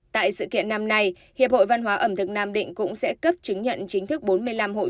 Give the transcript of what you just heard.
tại sự kiện năm nay hiệp hội văn hóa ẩm thực nam định cũng sẽ cấp chứng nhận chính thức bốn mươi năm hội